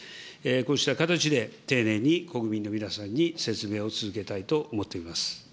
こうした形で、丁寧に国民の皆さんに説明を続けたいと思っています。